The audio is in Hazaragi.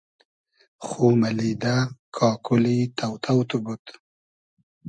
خو مئلیدۂ کاکولی تۆ تۆ تو بود